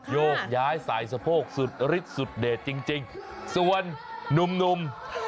โยกย้ายสายสะโพกสุดฤทธิสุดเด็ดจริงส่วนหนุ่ม